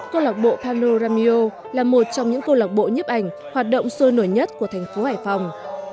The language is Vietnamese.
câu lạc bộ paro nam mio là một trong những câu lạc bộ nhấp ảnh hoạt động sôi nổi nhất của thành phố hải phòng